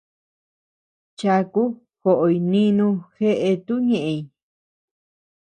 Chaku joʼoy nínu jeʼe tuʼu ñeʼeñ.